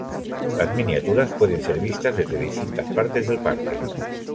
Las miniaturas pueden ser vistas desde distintas partes del parque.